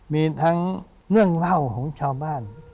มีทั้งเรื่องเล่าของชาวบ้าน